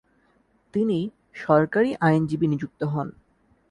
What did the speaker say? তিনি সরকারি আইনজীবী নিযুক্ত হন।